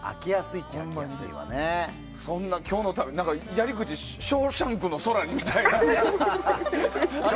やり口「ショーシャンクの空」みたいな。